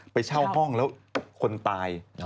ไปเช่าห้องแล้วคนตาย